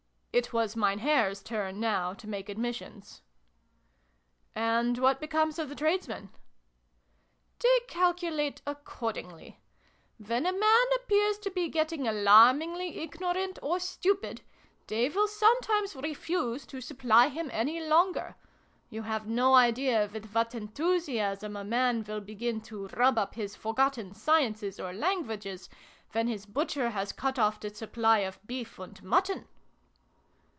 It was Mein Herr's turn, now, to make admissions. " And what becomes of the tradesmen ?"" They calculate accordingly. When a man appears to be getting alarmingly ignorant, or xill] WHAT TOTTLES MEANT. 211 stupid, they will sometimes refuse to supply him any longer. You have no idea with what enthusiasm a man will begin to rub up his forgotten sciences or languages, when his butcher has cut off the supply of beef and mutton